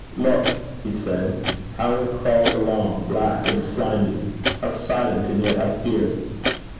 'Look,' he said, 'how it crawls along black and slimy! how silent and yet how fierce!